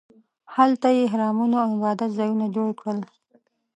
هلته یې اهرامونو او عبادت ځایونه جوړ کړل.